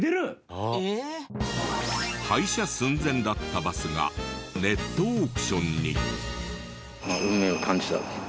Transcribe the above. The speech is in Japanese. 廃車寸前だったバスがネットオークションに。